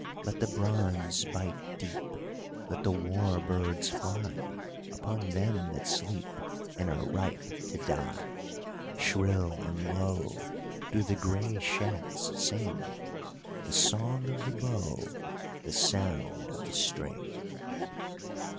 Let the bronze bite deep! Let the war birds fly Upon them that sleep And are ripe to die! Shrill and low Do the grey shafts sing The Song of the Bow, The sound of the string!